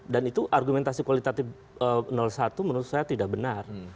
dan itu argumentasi kualitatif satu menurut saya tidak benar